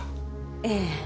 ええ。